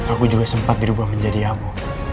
aku juga sempat dirubah menjadi amu